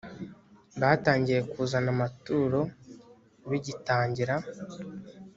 batangiye kuzana amaturo bigitangira